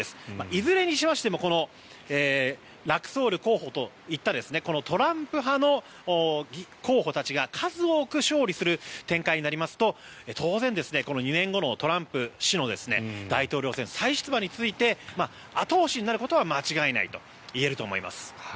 いずれにしましてもこのラクソール候補といったトランプ派の候補たちが数多く勝利する展開になりますと当然、２年後のトランプ氏の大統領選再出馬について後押しになることは間違いないと言えると思います。